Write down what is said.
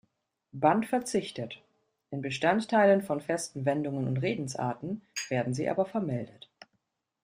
Band verzichtet, in Bestandteilen von festen Wendungen und Redensarten werden sie aber vermeldet.